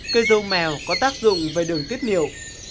cây dâu mèo có tác dụng về đường tiết niệu